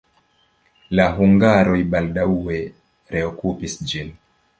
La hungaroj baldaŭe reokupis ĝin.